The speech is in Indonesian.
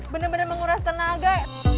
bener bener menguras tenaga